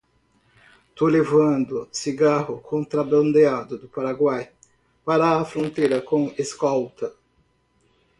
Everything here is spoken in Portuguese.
Tô levando cigarro contrabandeado do Paraguai para a fronteira com escolta